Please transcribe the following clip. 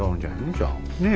じゃあ。ねえ？